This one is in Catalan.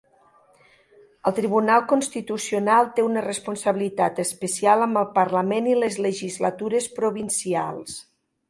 El Tribunal Constitucional té una responsabilitat especial amb el parlament i les legislatures provincials.